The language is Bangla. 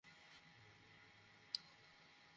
বাকিদেরকেও ডেকে দাও।